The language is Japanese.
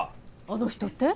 あの人って？